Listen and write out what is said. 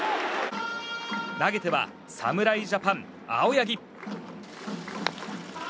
投げては侍ジャパン、青柳。